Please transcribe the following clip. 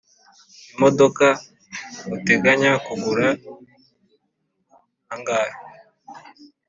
imodoka uteganya kugura angahe?